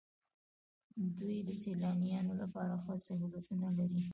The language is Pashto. دوی د سیلانیانو لپاره ښه سهولتونه لري.